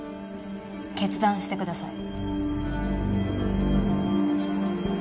決断してください。